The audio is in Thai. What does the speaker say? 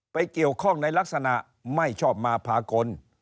ไปเกี่ยวข้องในลักษณะไม่ชอบมาพากล